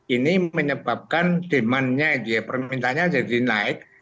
ini menyebabkan demand nya permintaannya jadi naik